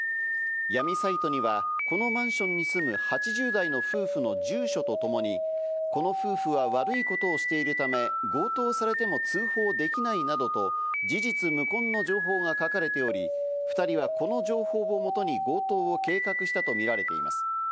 闇サイトには、このマンションに住む８０代の夫婦の住所とともにこの夫婦は悪いことをしているため、強盗されても通報できないなどと事実無根の情報が書かれており、２人はこの情報をもとに強盗を計画したとみられています。